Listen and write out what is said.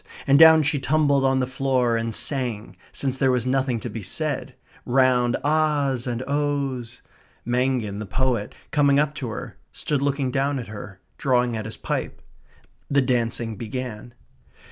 And down she tumbled on the floor, and sang, since there was nothing to be said, round ah's and oh's. Mangin, the poet, coming up to her, stood looking down at her, drawing at his pipe. The dancing began.